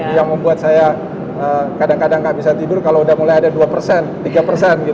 yang membuat saya kadang kadang nggak bisa tidur kalau udah mulai ada dua persen tiga persen